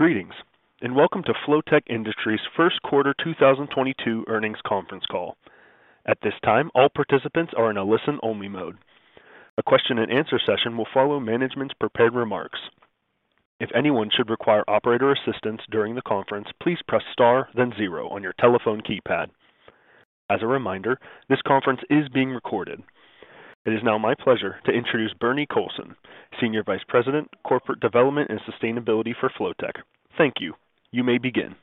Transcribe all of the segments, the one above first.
Greetings, and welcome to Flotek Industries' First Quarter 2022 Earnings Conference Call. At this time, all participants are in a listen-only mode. A question and answer session will follow management's prepared remarks. If anyone should require operator assistance during the conference, please press star then zero on your telephone keypad. As a reminder, this conference is being recorded. It is now my pleasure to introduce Bernie Colson, Senior Vice President, Corporate Development and Sustainability for Flotek. Thank you. You may begin.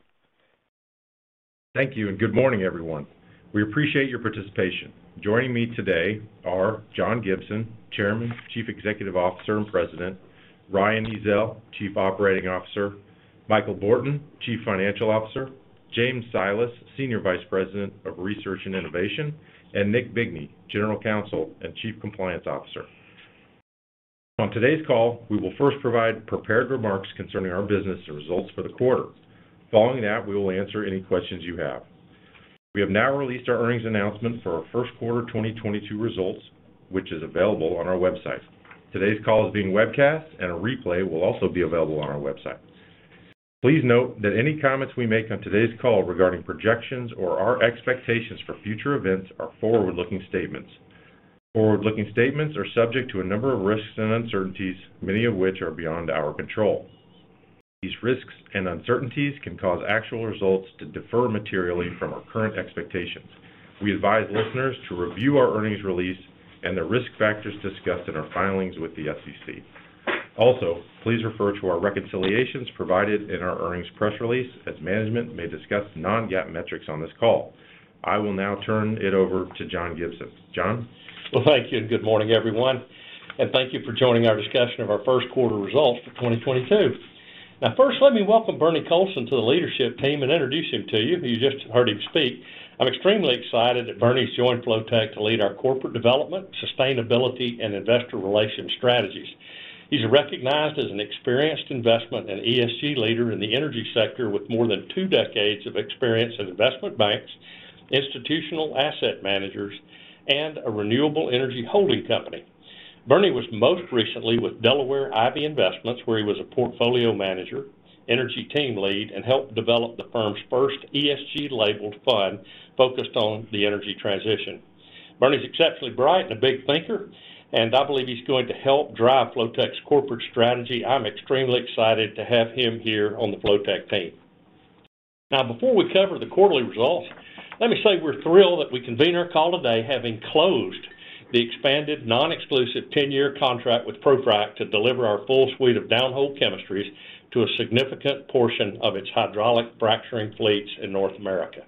Thank you and good morning, everyone. We appreciate your participation. Joining me today are John Gibson, Chairman, Chief Executive Officer, and President, Ryan Ezell, Chief Operating Officer, Michael Borton, Chief Financial Officer, James Silas, Senior Vice President of Research and Innovation, and Nick Bigney, General Counsel and Chief Compliance Officer. On today's call, we will first provide prepared remarks concerning our business and results for the quarter. Following that, we will answer any questions you have. We have now released our earnings announcement for our first quarter 2022 results, which is available on our website. Today's call is being webcast, and a replay will also be available on our website. Please note that any comments we make on today's call regarding projections or our expectations for future events are forward-looking statements. Forward-looking statements are subject to a number of risks and uncertainties, many of which are beyond our control. These risks and uncertainties can cause actual results to differ materially from our current expectations. We advise listeners to review our earnings release and the risk factors discussed in our filings with the SEC. Also, please refer to our reconciliations provided in our earnings press release, as management may discuss non-GAAP metrics on this call. I will now turn it over to John Gibson. John? Well, thank you, and good morning, everyone. Thank you for joining our discussion of our first quarter results for 2022. Now, first, let me welcome Bernie Colson to the leadership team and introduce him to you. You just heard him speak. I'm extremely excited that Bernie's joined Flotek to lead our corporate development, sustainability, and investor relations strategies. He's recognized as an experienced investment and ESG leader in the energy sector with more than two decades of experience at investment banks, institutional asset managers, and a renewable energy holding company. Bernie was most recently with Delaware Ivy Investments, where he was a portfolio manager, energy team lead, and helped develop the firm's first ESG-labeled fund focused on the energy transition. Bernie's exceptionally bright and a big thinker, and I believe he's going to help drive Flotek's corporate strategy. I'm extremely excited to have him here on the Flotek team. Now, before we cover the quarterly results, let me say we're thrilled that we convene our call today, having closed the expanded non-exclusive 10-year contract with ProFrac to deliver our full suite of downhole chemistries to a significant portion of its hydraulic fracturing fleets in North America.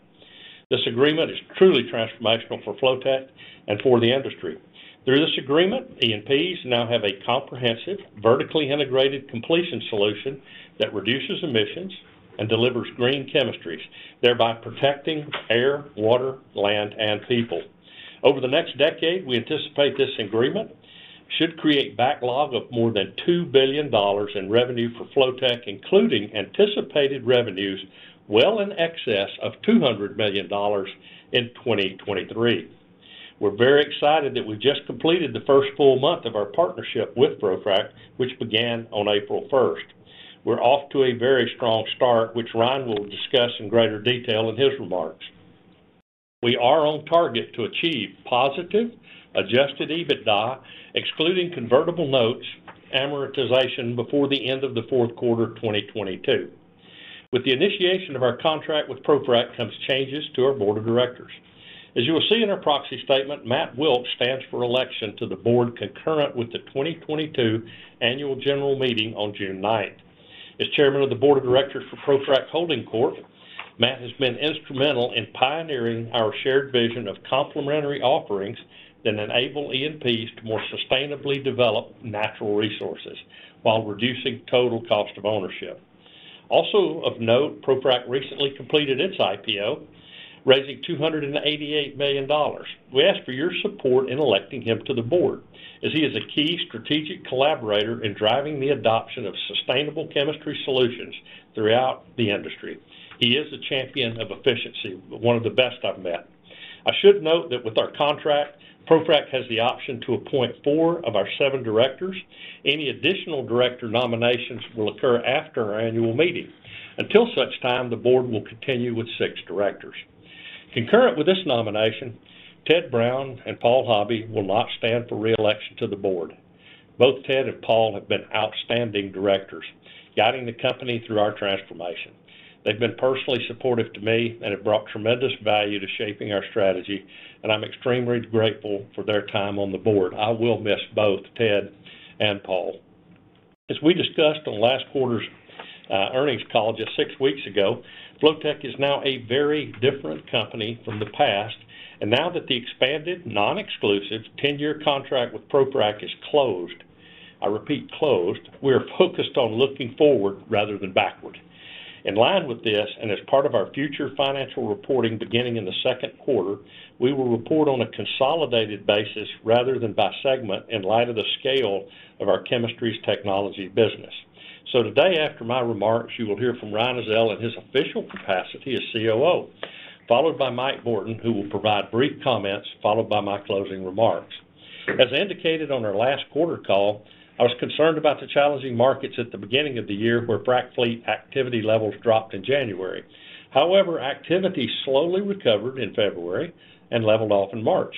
This agreement is truly transformational for Flotek and for the industry. Through this agreement, E&Ps now have a comprehensive, vertically integrated completion solution that reduces emissions and delivers green chemistries, thereby protecting air, water, land, and people. Over the next decade, we anticipate this agreement should create backlog of more than $2 billion in revenue for Flotek, including anticipated revenues well in excess of $200 million in 2023. We're very excited that we just completed the first full month of our partnership with ProFrac, which began on April 1st. We're off to a very strong start, which Ryan will discuss in greater detail in his remarks. We are on target to achieve positive adjusted EBITDA, excluding convertible notes amortization before the end of the fourth quarter 2022. With the initiation of our contract with ProFrac comes changes to our board of directors. As you will see in our proxy statement, Matt Wilks stands for election to the board concurrent with the 2022 Annual General Meeting on June 9th. As chairman of the board of directors for ProFrac Holding Corp, Matt has been instrumental in pioneering our shared vision of complementary offerings that enable E&Ps to more sustainably develop natural resources while reducing total cost of ownership. Also of note, ProFrac recently completed its IPO, raising $288 million. We ask for your support in electing him to the board, as he is a key strategic collaborator in driving the adoption of sustainable chemistry solutions throughout the industry. He is a champion of efficiency, one of the best I've met. I should note that with our contract, ProFrac has the option to appoint four of our seven directors. Any additional director nominations will occur after our annual meeting. Until such time, the board will continue with six directors. Concurrent with this nomination, Ted Brown and Paul Hobby will not stand for re-election to the board. Both Ted and Paul have been outstanding directors, guiding the company through our transformation. They've been personally supportive to me, and have brought tremendous value to shaping our strategy, and I'm extremely grateful for their time on the board. I will miss both Ted and Paul. As we discussed on last quarter's earnings call just six weeks ago, Flotek is now a very different company from the past. Now that the expanded non-exclusive 10-year contract with ProFrac is closed, I repeat, closed, we are focused on looking forward rather than backward. In line with this, and as part of our future financial reporting beginning in the second quarter, we will report on a consolidated basis rather than by segment in light of the scale of our chemistries technology business. Today after my remarks, you will hear from Ryan Ezell in his official capacity as COO. Followed by Michael Borton, who will provide brief comments, followed by my closing remarks. As indicated on our last quarter call, I was concerned about the challenging markets at the beginning of the year where ProFrac fleet activity levels dropped in January. However, activity slowly recovered in February and leveled off in March.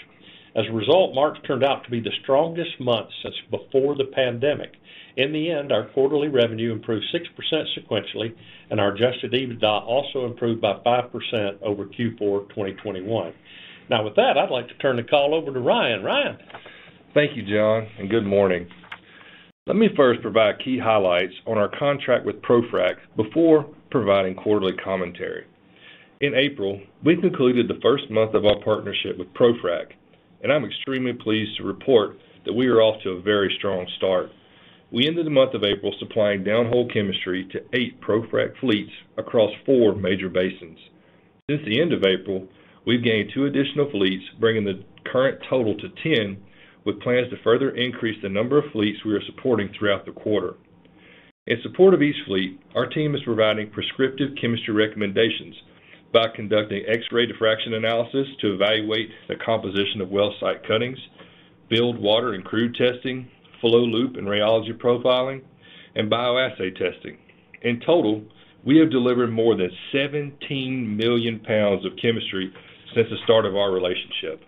As a result, March turned out to be the strongest month since before the pandemic. In the end, our quarterly revenue improved 6% sequentially, and our adjusted EBITDA also improved by 5% over Q4 2021. Now, with that, I'd like to turn the call over to Ryan. Ryan. Thank you, John, and good morning. Let me first provide key highlights on our contract with ProFrac before providing quarterly commentary. In April, we concluded the first month of our partnership with ProFrac, and I'm extremely pleased to report that we are off to a very strong start. We ended the month of April supplying downhole chemistry to eight ProFrac fleets across four major basins. Since the end of April, we've gained two additional fleets, bringing the current total to 10, with plans to further increase the number of fleets we are supporting throughout the quarter. In support of each fleet, our team is providing prescriptive chemistry recommendations by conducting X-ray diffraction analysis to evaluate the composition of well site cuttings, build water and crude testing, flow loop and rheology profiling, and bioassay testing. In total, we have delivered more than 17 million lbs of chemistry since the start of our relationship.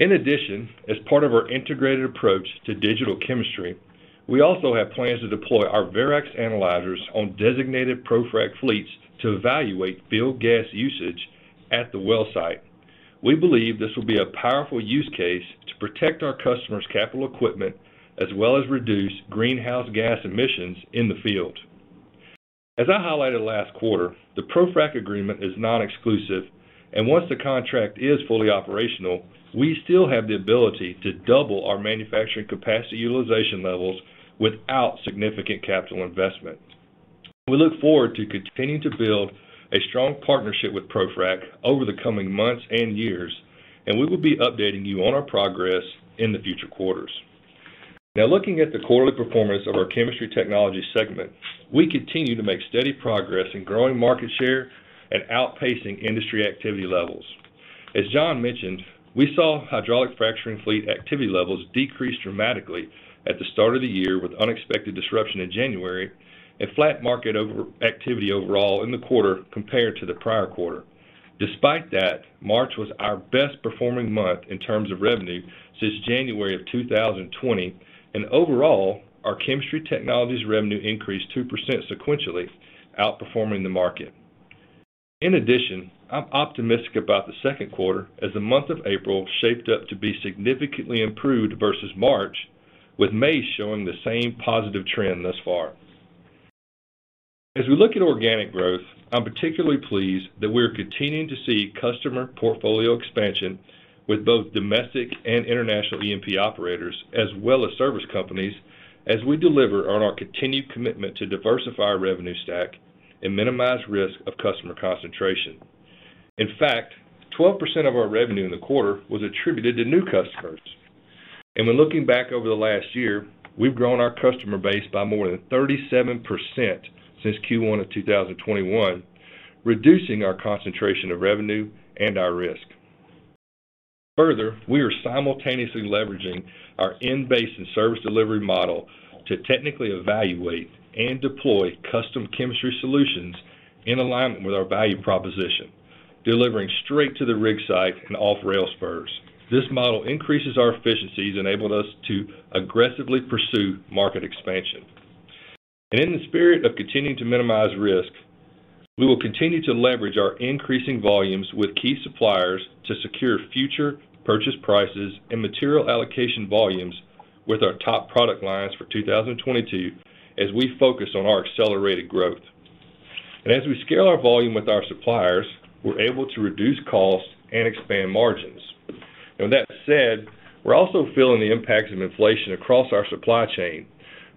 In addition, as part of our integrated approach to digital chemistry, we also have plans to deploy our Verax analyzers on designated ProFrac fleets to evaluate field gas usage at the well site. We believe this will be a powerful use case to protect our customers' capital equipment, as well as reduce greenhouse gas emissions in the field. As I highlighted last quarter, the ProFrac agreement is non-exclusive, and once the contract is fully operational, we still have the ability to double our manufacturing capacity utilization levels without significant capital investment. We look forward to continuing to build a strong partnership with ProFrac over the coming months and years, and we will be updating you on our progress in the future quarters. Now looking at the quarterly performance of our Chemistry Technology segment, we continue to make steady progress in growing market share and outpacing industry activity levels. As John mentioned, we saw hydraulic fracturing fleet activity levels decrease dramatically at the start of the year with unexpected disruption in January and flat market activity overall in the quarter compared to the prior quarter. Despite that, March was our best performing month in terms of revenue since January of 2020. Overall, our Chemistry Technologies revenue increased 2% sequentially, outperforming the market. In addition, I'm optimistic about the second quarter as the month of April shaped up to be significantly improved versus March, with May showing the same positive trend thus far. As we look at organic growth, I'm particularly pleased that we are continuing to see customer portfolio expansion with both domestic and international E&P operators, as well as service companies, as we deliver on our continued commitment to diversify our revenue stack and minimize risk of customer concentration. In fact, 12% of our revenue in the quarter was attributed to new customers. When looking back over the last year, we've grown our customer base by more than 37% since Q1 of 2021, reducing our concentration of revenue and our risk. Further, we are simultaneously leveraging our end base and service delivery model to technically evaluate and deploy custom chemistry solutions in alignment with our value proposition, delivering straight to the rig site and off rail spurs. This model increases our efficiencies, enabling us to aggressively pursue market expansion. In the spirit of continuing to minimize risk, we will continue to leverage our increasing volumes with key suppliers to secure future purchase prices and material allocation volumes with our top product lines for 2022, as we focus on our accelerated growth. As we scale our volume with our suppliers, we're able to reduce costs and expand margins. Now with that said, we're also feeling the impacts of inflation across our supply chain,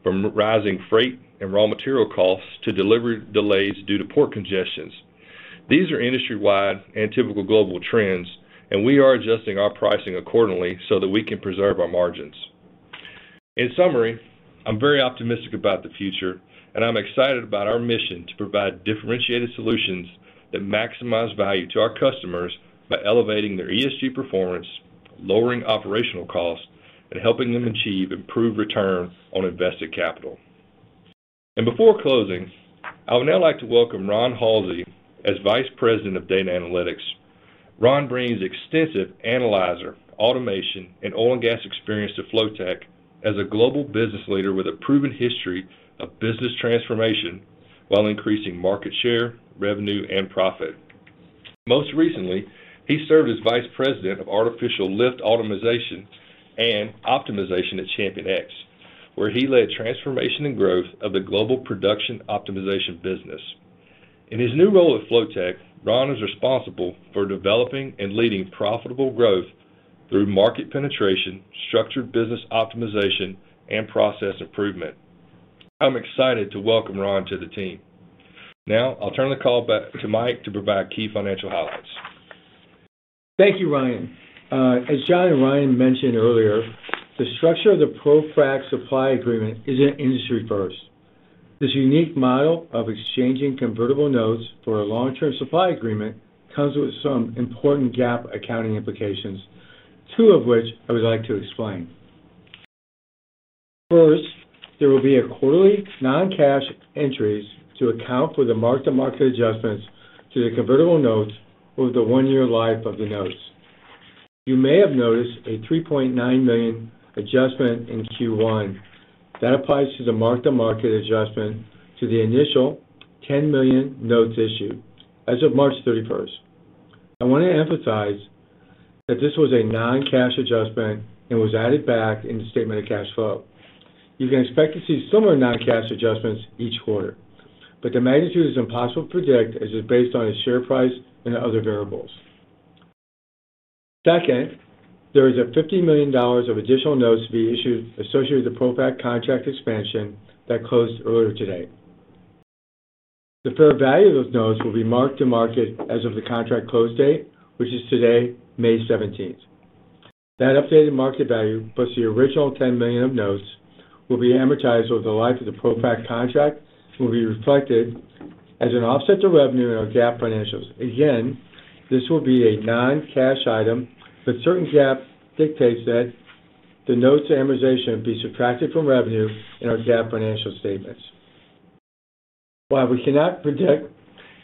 from rising freight and raw material costs to delivery delays due to port congestions. These are industry-wide and typical global trends, and we are adjusting our pricing accordingly so that we can preserve our margins. In summary, I'm very optimistic about the future, and I'm excited about our mission to provide differentiated solutions that maximize value to our customers by elevating their ESG performance, lowering operational costs, and helping them achieve improved return on invested capital. Before closing, I would now like to welcome Ron Halsey as Vice President of Data Analytics. Ron brings extensive analyzer, automation, and oil and gas experience to Flotek as a global business leader with a proven history of business transformation while increasing market share, revenue, and profit. Most recently, he served as Vice President of Artificial Lift Automation and Optimization at ChampionX, where he led transformation and growth of the global production optimization business. In his new role at Flotek, Ron is responsible for developing and leading profitable growth through market penetration, structured business optimization, and process improvement. I'm excited to welcome Ron to the team. Now, I'll turn the call back to Mike to provide key financial highlights. Thank you, Ryan. As John and Ryan mentioned earlier, the structure of the ProFrac supply agreement is an industry first. This unique model of exchanging convertible notes for a long-term supply agreement comes with some important GAAP accounting implications, two of which I would like to explain. First, there will be a quarterly non-cash entries to account for the mark-to-market adjustments to the convertible notes over the one-year life of the notes. You may have noticed a $3.9 million adjustment in Q1. That applies to the mark-to-market adjustment to the initial $10 million notes issued as of March 31st. I want to emphasize that this was a non-cash adjustment and was added back in the statement of cash flow. You can expect to see similar non-cash adjustments each quarter, but the magnitude is impossible to predict as it's based on a share price and other variables. Second, there is $50 million of additional notes to be issued associated with the ProFrac contract expansion that closed earlier today. The fair value of those notes will be marked to market as of the contract close date, which is today, May 17th. That updated market value, plus the original $10 million of notes, will be amortized over the life of the ProFrac contract and will be reflected as an offset to revenue in our GAAP financials. Again, this will be a non-cash item, but certain GAAP dictates that the notes amortization be subtracted from revenue in our GAAP financial statements. While we cannot predict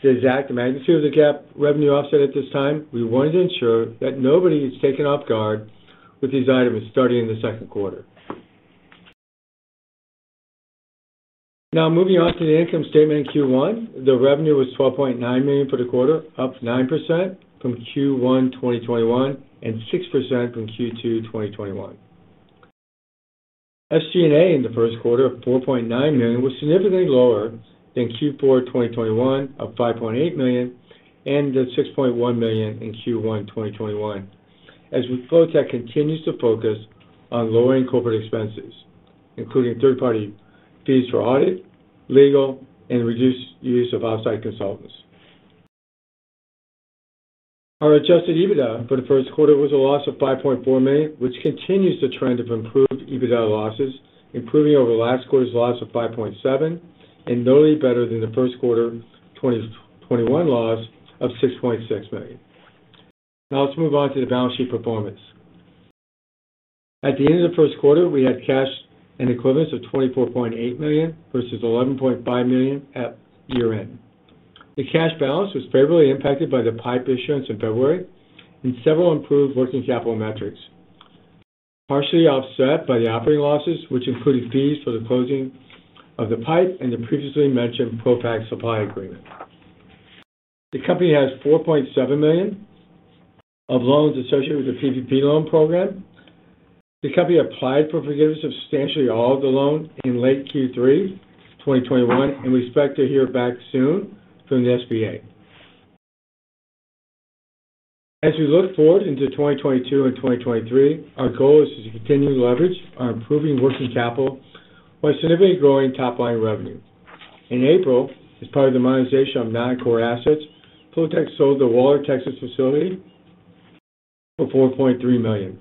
the exact magnitude of the GAAP revenue offset at this time, we wanted to ensure that nobody is taken off guard with these items starting in the second quarter. Now, moving on to the income statement in Q1. The revenue was $12.9 million for the quarter, up 9% from Q1 2021 and 6% from Q2 2021. SG&A in the first quarter of $4.9 million was significantly lower than Q4 2021 of $5.8 million and the $6.1 million in Q1 2021. Flotek continues to focus on lowering corporate expenses, including third-party fees for audit, legal and reduced use of outside consultants. Our adjusted EBITDA for the first quarter was a loss of $5.4 million, which continues the trend of improved EBITDA losses, improving over last quarter's loss of $5.7 million, and notably better than the first quarter 2021 loss of $6.6 million. Now let's move on to the balance sheet performance. At the end of the first quarter, we had cash and equivalents of $24.8 million versus $11.5 million at year-end. The cash balance was favorably impacted by the PIPE issuance in February and several improved working capital metrics, partially offset by the operating losses, which included fees for the closing of the PIPE and the previously mentioned ProFrac supply agreement. The company has $4.7 million of loans associated with the PPP loan program. The company applied for forgiveness of substantially all of the loan in late Q3 2021, and we expect to hear back soon from the SBA. As we look forward into 2022 and 2023, our goal is to continue to leverage our improving working capital while significantly growing top-line revenue. In April, as part of the monetization of non-core assets, Flotek sold the Waller, Texas facility for $4.3 million.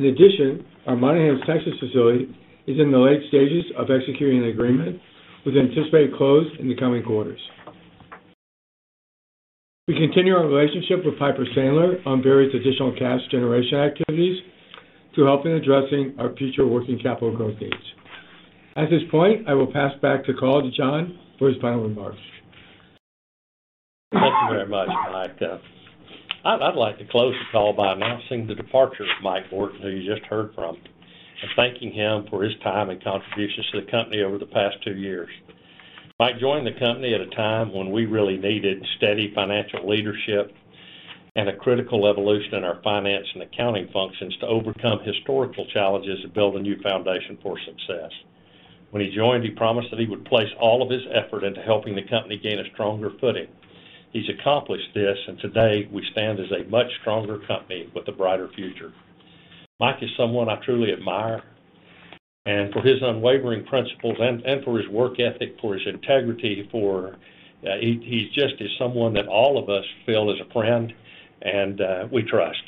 In addition, our Monahans, Texas facility is in the late stages of executing an agreement with anticipated close in the coming quarters. We continue our relationship with Piper Sandler on various additional cash generation activities to help in addressing our future working capital growth needs. At this point, I will pass back the call to John for his final remarks. Thank you very much, Mike. I'd like to close the call by announcing the departure of Mike Borton, who you just heard from, and thanking him for his time and contributions to the company over the past two years. Mike joined the company at a time when we really needed steady financial leadership and a critical evolution in our finance and accounting functions to overcome historical challenges and build a new foundation for success. When he joined, he promised that he would place all of his effort into helping the company gain a stronger footing. He's accomplished this, and today we stand as a much stronger company with a brighter future. Mike is someone I truly admire for his unwavering principles and for his work ethic, for his integrity. He's just is someone that all of us feel is a friend and we trust.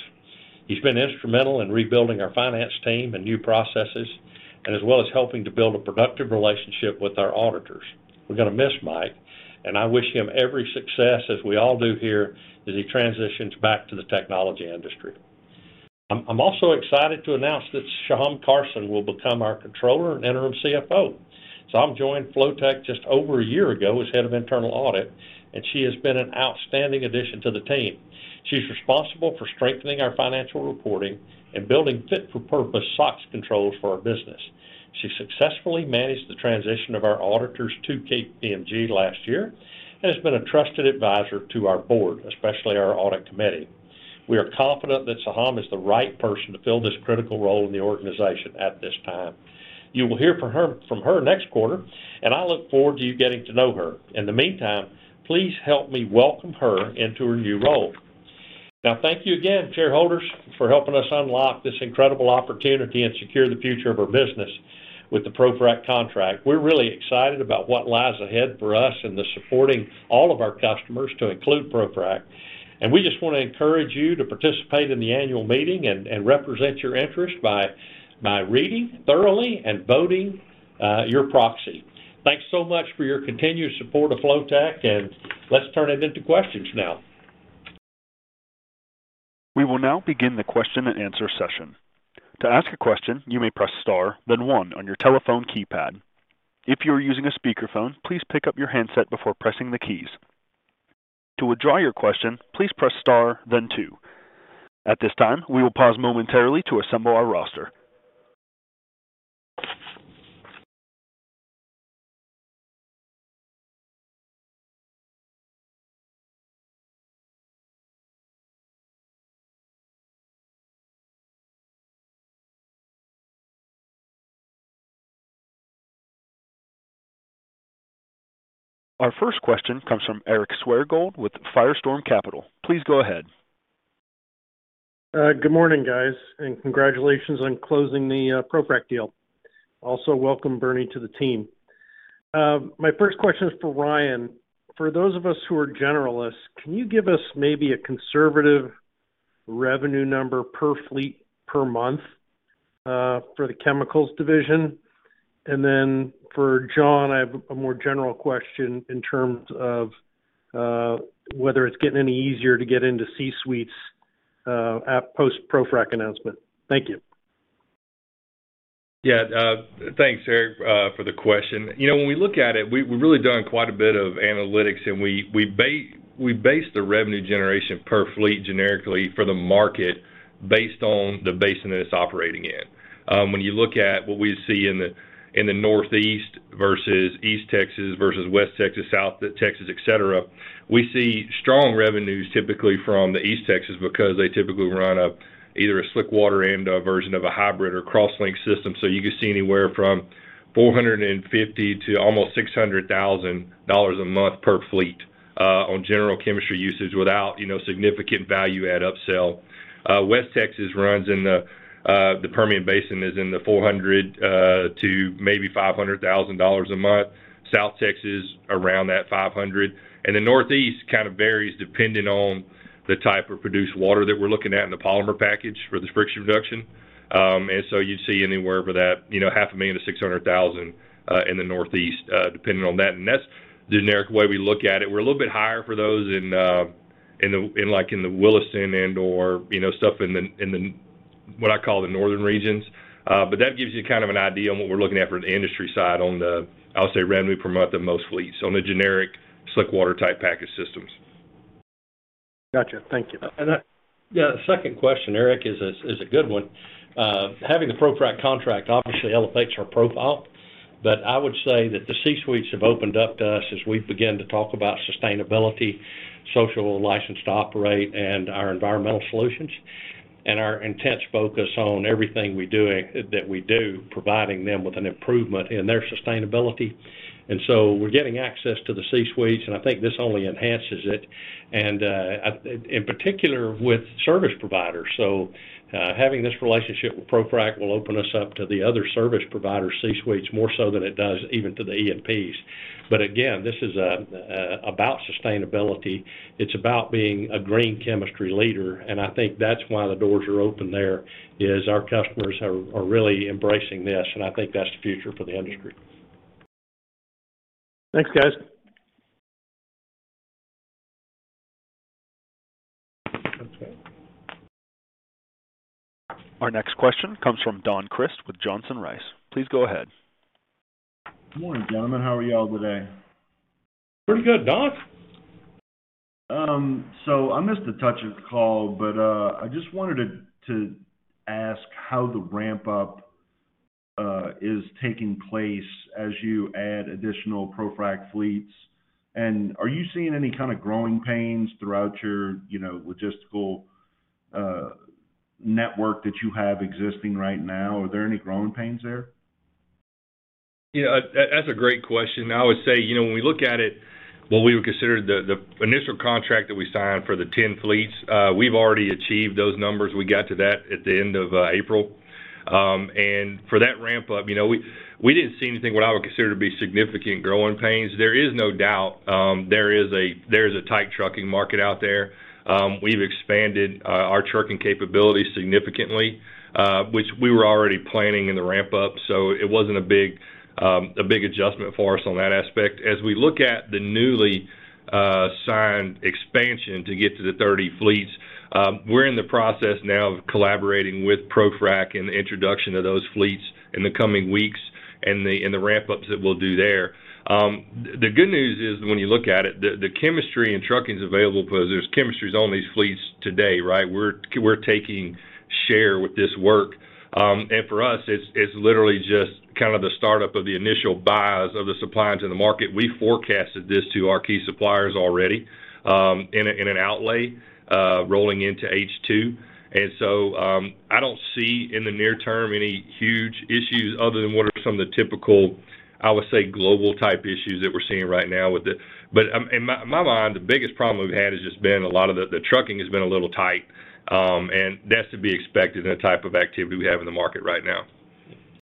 He's been instrumental in rebuilding our finance team and new processes, as well as helping to build a productive relationship with our auditors. We're gonna miss Mike, and I wish him every success, as we all do here, as he transitions back to the technology industry. I'm also excited to announce that Seham Carson will become our controller and interim CFO. Seham joined Flotek just over a year ago as head of internal audit, and she has been an outstanding addition to the team. She's responsible for strengthening our financial reporting and building fit-for-purpose SOX controls for our business. She successfully managed the transition of our auditors to KPMG last year and has been a trusted advisor to our board, especially our audit committee. We are confident that Seham is the right person to fill this critical role in the organization at this time. You will hear from her, from her next quarter, and I look forward to you getting to know her. In the meantime, please help me welcome her into her new role. Now, thank you again, shareholders, for helping us unlock this incredible opportunity and secure the future of our business. With the ProFrac contract. We're really excited about what lies ahead for us and the supporting all of our customers to include ProFrac. We just wanna encourage you to participate in the annual meeting and represent your interest by reading thoroughly and voting your proxy. Thanks so much for your continued support of Flotek, and let's turn it into questions now. We will now begin the question-and-answer session. To ask a question, you may press star, then one on your telephone keypad. If you are using a speakerphone, please pick up your handset before pressing the keys. To withdraw your question, please press star, then two. At this time, we will pause momentarily to assemble our roster. Our first question comes from Eric Swergold with Firestorm Capital. Please go ahead. Good morning, guys, and congratulations on closing the ProFrac deal. Also, welcome Bernie to the team. My first question is for Ryan. For those of us who are generalists, can you give us maybe a conservative revenue number per fleet per month for the Chemicals Division? For John, I have a more general question in terms of whether it's getting any easier to get into C-suites at post-ProFrac announcement. Thank you. Yeah, thanks, Eric, for the question. You know, when we look at it, we've really done quite a bit of analytics, and we base the revenue generation per fleet generically for the market based on the basin that it's operating in. When you look at what we see in the Northeast versus East Texas versus West Texas, South Texas, et cetera, we see strong revenues typically from the East Texas because they typically run either a slick water and a version of a hybrid or crosslink system. So you could see anywhere from $450,000 to almost $600,000 a month per fleet on general chemistry usage without, you know, significant value add upsell. West Texas runs in the Permian Basin is in the $400,000-$500,000 a month. South Texas around that $500,000. The Northeast kind of varies depending on the type of produced water that we're looking at in the polymer package for this friction reduction. You'd see anywhere for that, you know, $500,000-$600,000 in the Northeast, depending on that. That's the generic way we look at it. We're a little bit higher for those in, like, in the Williston and/or, you know, stuff in the what I call the northern regions. that gives you kind of an idea on what we're looking at from the industry side on the, I would say, revenue per month of most fleets on the generic slick water type package systems. Gotcha. Thank you. Yeah, the second question, Eric, is a good one. Having the ProFrac contract obviously elevates our profile. I would say that the C-suites have opened up to us as we begin to talk about sustainability, social license to operate, and our environmental solutions, and our intense focus on everything that we do, providing them with an improvement in their sustainability. We're getting access to the C-suites, and I think this only enhances it, and in particular with service providers. Having this relationship with ProFrac will open us up to the other service provider C-suites more so than it does even to the E&Ps. Again, this is about sustainability. It's about being a green chemistry leader, and I think that's why the doors are open there, our customers are really embracing this, and I think that's the future for the industry. Thanks, guys. Our next question comes from Don Crist with Johnson Rice. Please go ahead. Good morning, gentlemen. How are y'all today? Pretty good, Don. I missed the top of the call, but I just wanted to ask how the ramp-up is taking place as you add additional ProFrac fleets. Are you seeing any kind of growing pains throughout your, you know, logistical network that you have existing right now? Are there any growing pains there? Yeah. That, that's a great question. I would say, you know, when we look at it, what we would consider the initial contract that we signed for the 10 fleets, we've already achieved those numbers. We got to that at the end of April. For that ramp-up, you know, we didn't see anything what I would consider to be significant growing pains. There is no doubt, there is a tight trucking market out there. We've expanded our trucking capabilities significantly, which we were already planning in the ramp-up. It wasn't a big adjustment for us on that aspect. As we look at the newly signed expansion to get to the 30 fleets, we're in the process now of collaborating with ProFrac in the introduction of those fleets in the coming weeks and the ramp-ups that we'll do there. The good news is when you look at it, the chemistry and trucking's available because there's chemistries on these fleets today, right? We're taking share with this work. And for us, it's literally just kind of the startup of the initial buys of the suppliers in the market. We forecasted this to our key suppliers already, in an outlay rolling into H2. I don't see in the near term any huge issues other than what are some of the typical, I would say, global type issues that we're seeing right now with the. In my mind, the biggest problem we've had has just been a lot of the trucking has been a little tight, and that's to be expected in the type of activity we have in the market right now.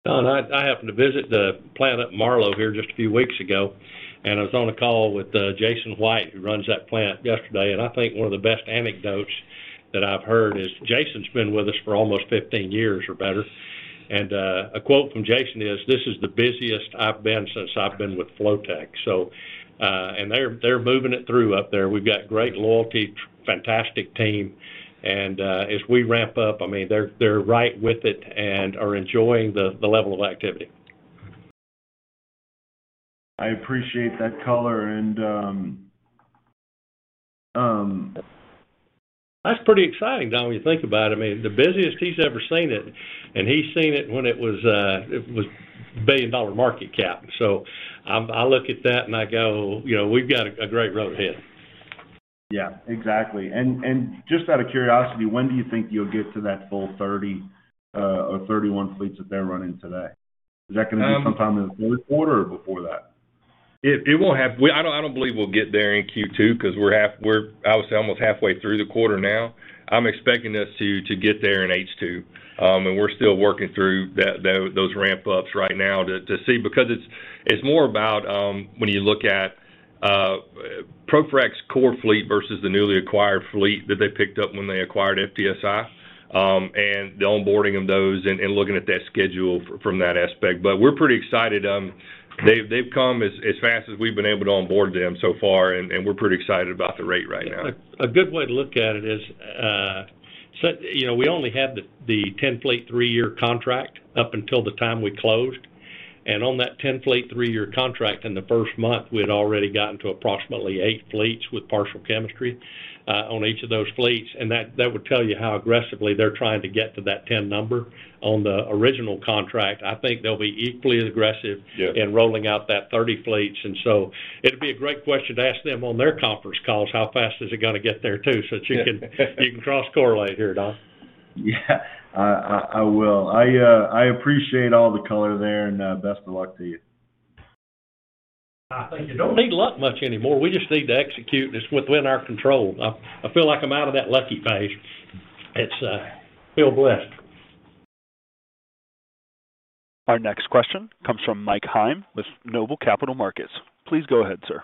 Don, I happened to visit the plant at Marlow here just a few weeks ago, and I was on a call with Jason White, who runs that plant, yesterday. I think one of the best anecdotes that I've heard is Jason's been with us for almost 15 years or better. A quote from Jason is, "This is the busiest I've been since I've been with Flotek." They're moving it through up there. We've got great loyalty, fantastic team, and as we ramp up, I mean, they're right with it and are enjoying the level of activity. I appreciate that color and. That's pretty exciting, Don, when you think about it. I mean, the busiest he's ever seen it, and he's seen it when it was a billion-dollar market cap. I look at that and I go, you know, we've got a great road ahead. Yeah, exactly. Just out of curiosity, when do you think you'll get to that full 30 or 31 fleets that they're running today? Is that gonna be sometime in the fourth quarter or before that? I don't believe we'll get there in Q2 'cause we're almost halfway through the quarter now. I'm expecting us to get there in H2. And we're still working through that, though, those ramp ups right now to see because it's more about, when you look at, ProFrac's core fleet versus the newly acquired fleet that they picked up when they acquired FTSI, and the onboarding of those and looking at that schedule from that aspect. But we're pretty excited. They've come as fast as we've been able to onboard them so far, and we're pretty excited about the rate right now. A good way to look at it is, you know, we only had the 10-fleet, three-year contract up until the time we closed. On that 10-fleet, three-year contract, in the first month, we had already gotten to approximately eight fleets with partial chemistry on each of those fleets. That would tell you how aggressively they're trying to get to that 10 number on the original contract. I think they'll be equally aggressive. Yeah In rolling out that 30 fleets. It'd be a great question to ask them on their conference calls, how fast is it gonna get there too, so that you can cross-correlate here, Don. Yeah. I will. I appreciate all the color there, and best of luck to you. I think you don't need luck much anymore. We just need to execute. It's within our control. I feel like I'm out of that lucky phase. I feel blessed. Our next question comes from Mike Heim with Noble Capital Markets. Please go ahead, sir.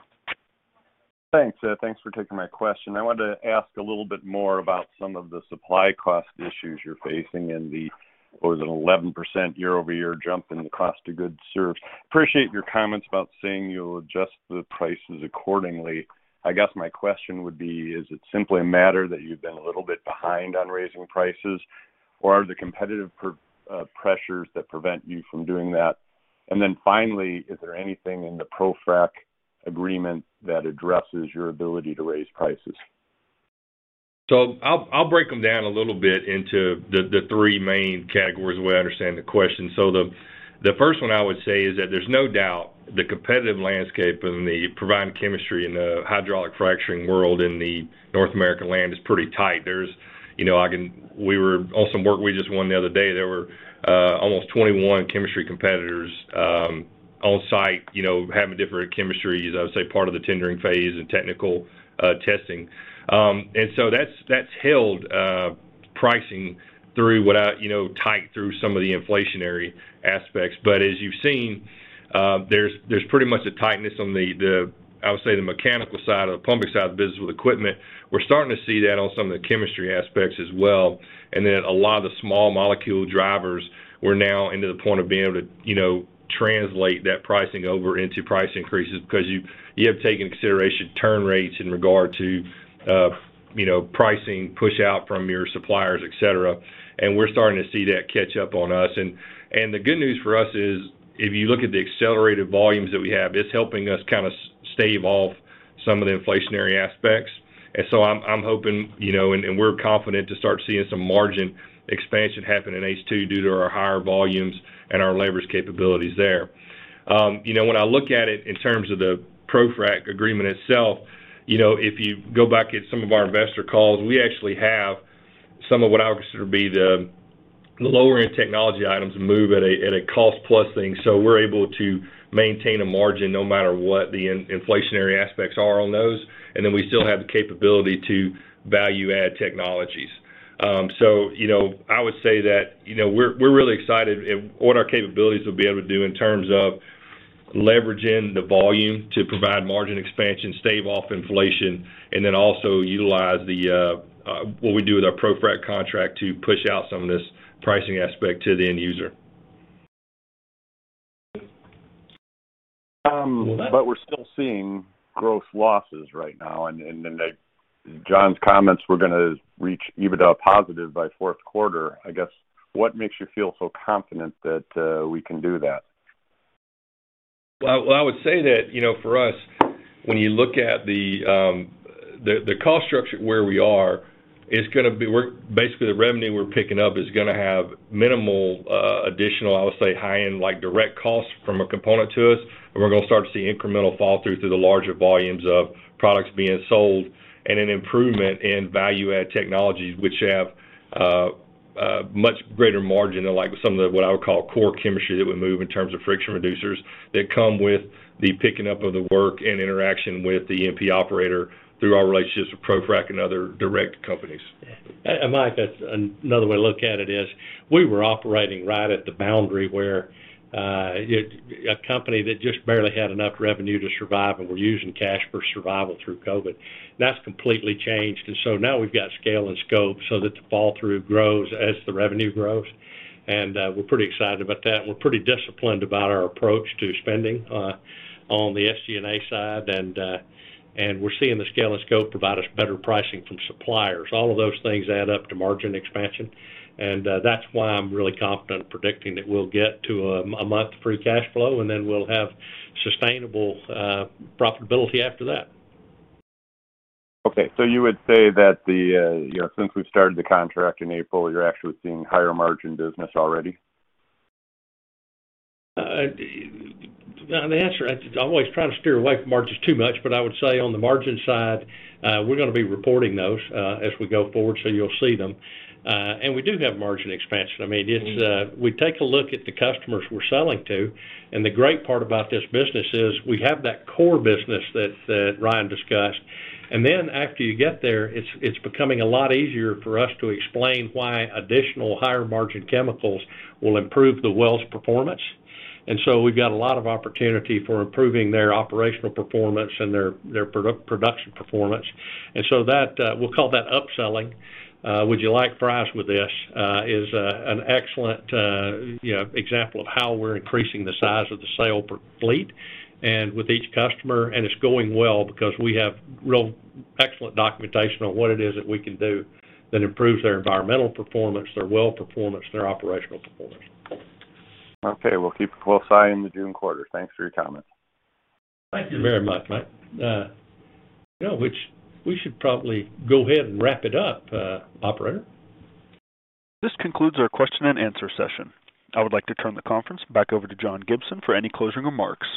Thanks. Thanks for taking my question. I wanted to ask a little bit more about some of the supply cost issues you're facing and the, what was it, 11% year-over-year jump in the cost of goods served. Appreciate your comments about saying you'll adjust the prices accordingly. I guess my question would be, is it simply a matter that you've been a little bit behind on raising prices, or are there competitive pressures that prevent you from doing that? And then finally, is there anything in the ProFrac agreement that addresses your ability to raise prices? I'll break them down a little bit into the three main categories, the way I understand the question. The first one I would say is that there's no doubt the competitive landscape and the providing chemistry in the hydraulic fracturing world in the North American land is pretty tight. You know, on some work we just won the other day, there were almost 21 chemistry competitors on site, you know, having different chemistries, I would say part of the tendering phase and technical testing. That's held pricing tight through some of the inflationary aspects. But as you've seen, there's pretty much a tightness on the mechanical side or the pumping side of the business with equipment. We're starting to see that on some of the chemistry aspects as well. A lot of the small molecule drivers, we're now into the point of being able to, you know, translate that pricing over into price increases because you have to take into consideration turn rates in regard to, you know, pricing push out from your suppliers, et cetera. We're starting to see that catch up on us. The good news for us is, if you look at the accelerated volumes that we have, it's helping us kinda stave off some of the inflationary aspects. I'm hoping, you know, and we're confident to start seeing some margin expansion happen in H2 due to our higher volumes and our leverage capabilities there. You know, when I look at it in terms of the ProFrac agreement itself, you know, if you go back at some of our investor calls, we actually have some of what I would consider be the lower-end technology items move at a cost-plus thing. We're able to maintain a margin no matter what the inflationary aspects are on those, and then we still have the capability to value add technologies. You know, I would say that, you know, we're really excited at what our capabilities will be able to do in terms of leveraging the volume to provide margin expansion, stave off inflation, and then also utilize what we do with our ProFrac contract to push out some of this pricing aspect to the end user. We're still seeing gross losses right now, and John's comments we're gonna reach EBITDA positive by fourth quarter. I guess what makes you feel so confident that we can do that? Well, I would say that, you know, for us, when you look at the cost structure where we are, it's gonna be. We're basically, the revenue we're picking up is gonna have minimal additional, I would say, high-end like direct costs from a component to us. We're gonna start to see incremental fall through to the larger volumes of products being sold and an improvement in value add technologies, which have a much greater margin than like some of the, what I would call core chemistry that would move in terms of friction reducers that come with the picking up of the work and interaction with the E&P operator through our relationships with ProFrac and other direct companies. Mike, that's another way to look at it is we were operating right at the boundary where a company that just barely had enough revenue to survive and were using cash for survival through COVID. That's completely changed. Now we've got scale and scope so that the flow-through grows as the revenue grows. We're pretty excited about that. We're pretty disciplined about our approach to spending on the SG&A side. We're seeing the scale and scope provide us better pricing from suppliers. All of those things add up to margin expansion, and that's why I'm really confident predicting that we'll get to monthly free cash flow, and then we'll have sustainable profitability after that. Okay. You would say that the, you know, since we've started the contract in April, you're actually seeing higher margin business already? The answer, I always try to steer away from margins too much, but I would say on the margin side, we're gonna be reporting those as we go forward, so you'll see them. We do have margin expansion. I mean, it's we take a look at the customers we're selling to, and the great part about this business is we have that core business that Ryan discussed. After you get there, it's becoming a lot easier for us to explain why additional higher margin chemicals will improve the wells' performance. We've got a lot of opportunity for improving their operational performance and their product-production performance. That we'll call that upselling. 'Would you like fries with this' is an excellent, you know, example of how we're increasing the size of the sale per fleet and with each customer. It's going well because we have real excellent documentation on what it is that we can do that improves their environmental performance, their well performance, and their operational performance. Okay. We'll keep a close eye in the June quarter. Thanks for your comments. Thank you very much, Mike. You know, we should probably go ahead and wrap it up, operator. This concludes our question and answer session. I would like to turn the conference back over to John W. Gibson, Jr. for any closing remarks.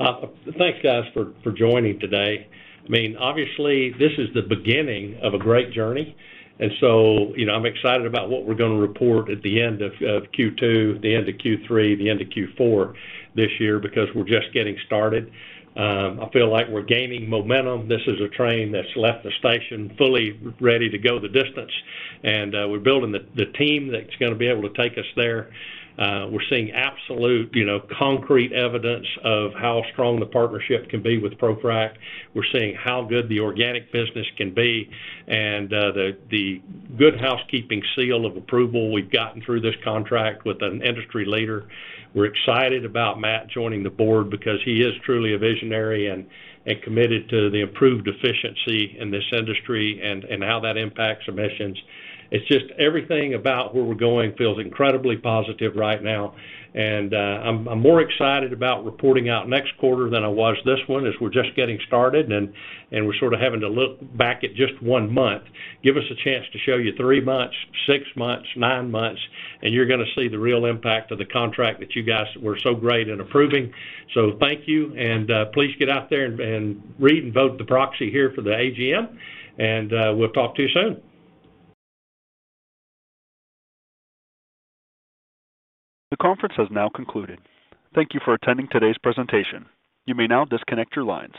Thanks, guys, for joining today. I mean, obviously, this is the beginning of a great journey, and so, you know, I'm excited about what we're gonna report at the end of Q2, the end of Q3, the end of Q4 this year because we're just getting started. I feel like we're gaining momentum. This is a train that's left the station fully ready to go the distance, and we're building the team that's gonna be able to take us there. We're seeing absolute, you know, concrete evidence of how strong the partnership can be with ProFrac. We're seeing how good the organic business can be and the good housekeeping seal of approval we've gotten through this contract with an industry leader. We're excited about Matt joining the board because he is truly a visionary and committed to the improved efficiency in this industry and how that impacts emissions. It's just everything about where we're going feels incredibly positive right now. I'm more excited about reporting out next quarter than I was this one as we're just getting started, and we're sort of having to look back at just one month. Give us a chance to show you three months, six months, nine months, and you're gonna see the real impact of the contract that you guys were so great in approving. Thank you, and please get out there and read and vote the proxy here for the AGM, and we'll talk to you soon. The conference has now concluded. Thank you for attending today's presentation. You may now disconnect your lines.